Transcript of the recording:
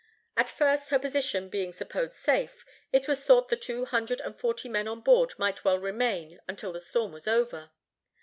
At first, her position being supposed safe, it was thought the two hundred and forty men on board might well remain until the storm was over.